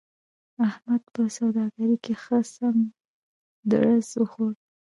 احمد په سوداګرۍ کې ښه سم درز و خوړ.